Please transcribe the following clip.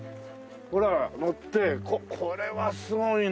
のってこれはすごいな。